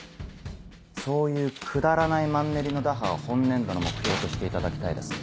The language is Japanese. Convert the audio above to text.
そういうくだらないマンネリの打破を本年度の目標としていただきたいですね。